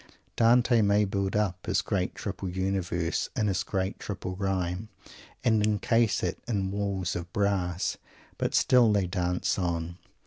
Dante may build up his great triple universe in his great triple rhyme, and encase it in walls of brass. But still they dance on.